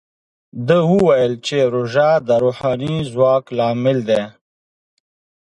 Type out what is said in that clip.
ده وویل چې روژه د روحاني ځواک لامل دی.